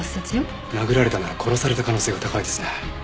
殴られたなら殺された可能性が高いですね。